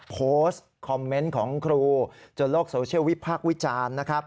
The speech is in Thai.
โพสต์คอมเมนต์ของครูจนโลกโซเชียลวิพากษ์วิจารณ์นะครับ